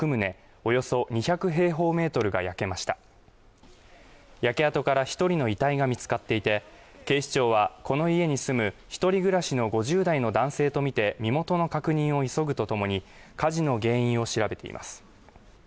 およそ２００平方メートルが焼けました焼け跡から一人の遺体が見つかっていて警視庁はこの家に住む一人暮らしの５０代の男性とみて身元の確認を急ぐとともに火事の原因を調べています